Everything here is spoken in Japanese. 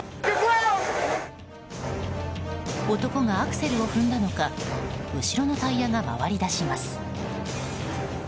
男がアクセルを踏んだのか後ろのタイヤが回り出します。